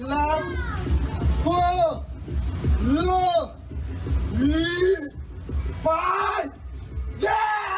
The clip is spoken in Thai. ลักษณ์ฟื้อเหลือหวีฝ่ายแย่